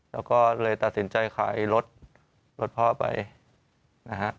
แล้วก็เลยตัดสินใจขายรถรถพ่อไปนะฮะ